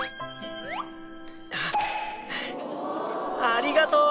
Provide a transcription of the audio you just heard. ありがとう！